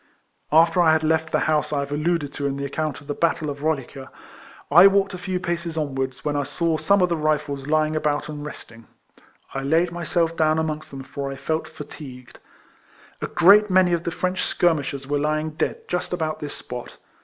After I had left the house I have al luded to in the account of the battle of Roliga, I walked a few paces onwards, Avhen I saw some of the Rifles lying about and resting. I laid myself down amongst them, for I felt fatigued. A great many of the French skirmishers were lying dead just about this spot.